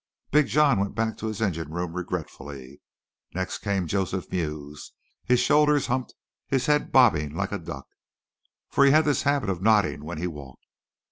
Big John went back to his engine room regretfully. Next came Joseph Mews, his shoulders humped, his head bobbing like a duck, for he had this habit of nodding when he walked.